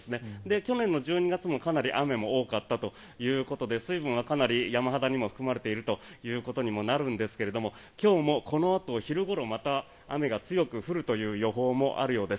去年の１２月もかなり雨も多かったということで水分はかなり山肌には含まれているということにはなるんですが今日もこのあと昼ごろまた雨が強く降るという予報もあるようです。